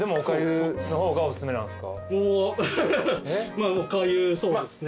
まあおかゆそうですね。